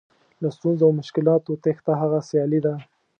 له ستونزو او مشکلاتو تېښته هغه سیالي ده.